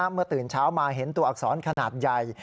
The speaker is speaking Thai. เมื่อตื่นเช้ามาเห็นตัวอักษรขนาดใหญ่